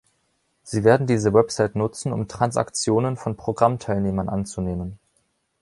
Sie werden diese Website nutzen, um Transaktionen von Programmteilnehmern anzunehmen.